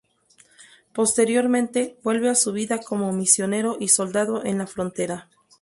Posteriormente, vuelve a su vida como misionero y soldado en la frontera.